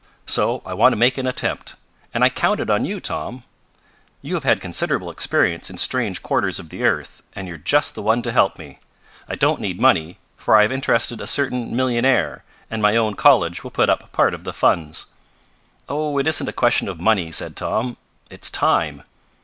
So I want to make an attempt. And I counted on you, Tom. You have had considerable experience in strange quarters of the earth, and you're just the one to help me. I don't need money, for I have interested a certain millionaire, and my own college will put up part of the funds." "Oh, it isn't a question of money," said Tom. "It's time."